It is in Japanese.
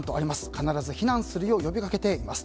必ず避難するよう呼びかけています。